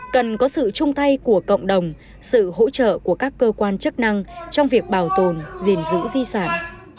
cần có sự chung tay của cộng đồng sự hỗ trợ của các cơ quan chức năng trong việc bảo tồn gìn giữ di sản